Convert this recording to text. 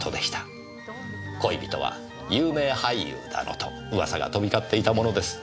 恋人は有名俳優だのと噂が飛び交っていたものです。